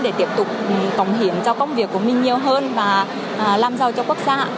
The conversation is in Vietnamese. để tiếp tục cống hiến cho công việc của mình nhiều hơn và làm giàu cho quốc gia